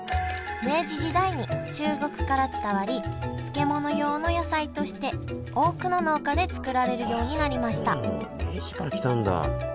明治時代に中国から伝わり漬物用の野菜として多くの農家で作られるようになりました明治から来たんだ？